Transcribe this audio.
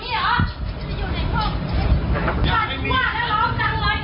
ที่ตามลูกขึ้นด้วย